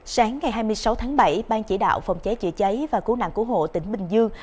sáng ngày hai mươi sáu tháng bảy ban chỉ đạo phòng chế chữa cháy và cú nạn cú hộ tỉnh bình dương